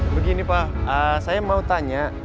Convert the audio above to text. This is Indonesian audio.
begini pak saya mau tanya